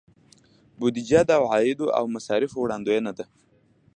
بودیجه د عوایدو او مصارفو وړاندوینه ده.